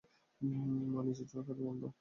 মা, নিজের কাজে মন দাও।